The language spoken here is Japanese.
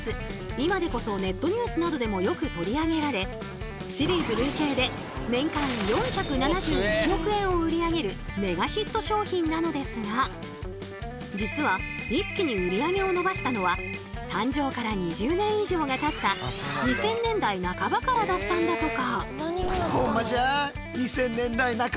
今でこそネットニュースなどでもよく取り上げられシリーズ累計で年間４７１億円を売り上げるメガヒット商品なのですが実は一気に売り上げを伸ばしたのは誕生から２０年以上がたった２０００年代半ばからだったんだとか！